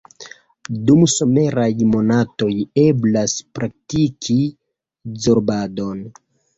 Dum someraj monatoj eblas praktiki zorbadon.